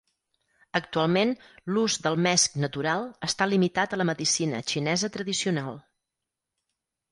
Actualment l'ús del mesc natural està limitat a la medicina xinesa tradicional.